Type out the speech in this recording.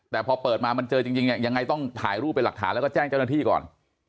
แต่พอเปิดมามันเจอจริงเนี่ยยังไงต้องถ่ายรูปเป็นหลักฐานแล้วก็แจ้งเจ้าหน้าที่ก่อน